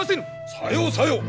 さようさよう。